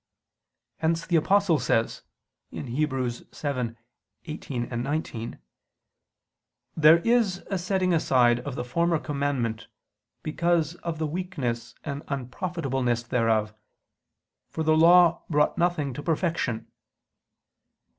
Hence the Apostle says (Heb. 7:18, 19): "There is a setting aside of the former commandment because of the weakness and unprofitableness thereof, for the law brought nothing to perfection."